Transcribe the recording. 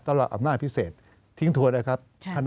ตลอดอำนาจพิเศษทิ้งทัวร์ได้ครับ